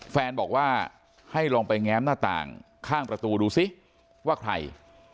แฟนบอกว่าให้ลองไปแง้มหน้าต่างข้างประตูดูซิว่าใคร